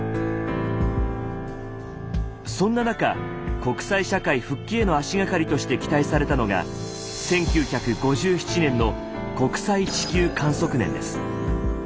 そんな中国際社会復帰への足がかりとして期待されたのが１９５７年の国際地球観測年です。